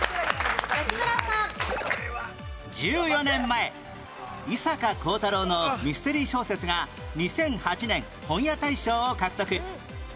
１４年前伊坂幸太郎のミステリー小説が２００８年本屋大賞を獲得